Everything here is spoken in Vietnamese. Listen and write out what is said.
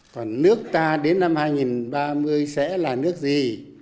còn nước ta đến năm hai nghìn ba mươi sẽ là nước gì